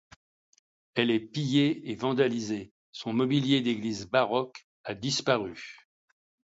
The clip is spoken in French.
Elle est pillée et vandalisée: son mobilier d’église baroque a disparu.